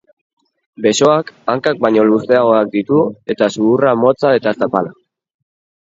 Besoak hankak baino luzeagoak ditu eta sudurra motza eta zapala.